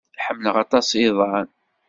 Ḥemmleɣ aṭas iḍan.